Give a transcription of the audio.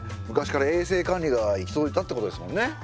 昔から衛生管理が行き届いてたってことですもんね。